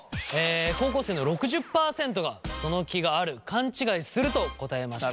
高校生の６０％がその気がある勘違いすると答えました。